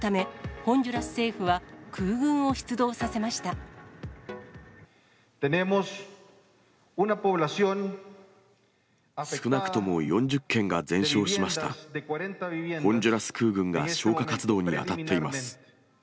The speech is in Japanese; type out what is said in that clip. ホンジュラス空軍が消火活動に当たっています。